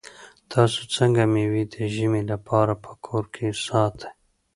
تاسو څنګه مېوې د ژمي لپاره په کور کې ساتئ؟